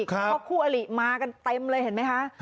เพราะคู่อลิมากันเต็มเลยเห็นไหมคะ